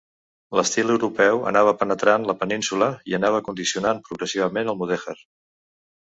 L'estil europeu anava penetrant la península i anava condicionant progressivament el mudèjar.